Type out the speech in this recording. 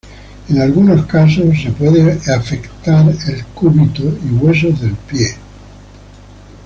En algunos caso se puede afectar el cúbito y huesos del pie.